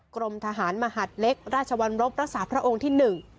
กรมทหารมหัดเล็กราชวรรบรักษาพระองค์ที่๑